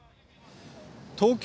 東京